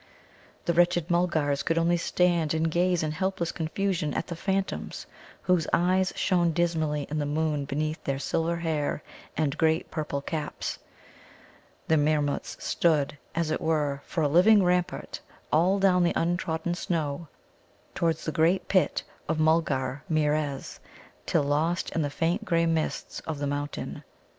The wretched Mulgars could only stand and gaze in helpless confusion at the phantoms, whose eyes shone dismally in the moon beneath their silver hair and great purple caps. The Meermuts stood, as it were, for a living rampart all down the untrodden snow towards the great Pit of Mulgarmeerez till lost in the faint grey mists of the mountains.